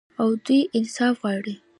او دوی انصاف غواړي.